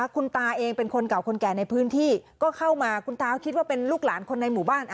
คุณตาเองเป็นคนเก่าคนแก่ในพื้นที่ก็เข้ามาคุณตาคิดว่าเป็นลูกหลานคนในหมู่บ้าน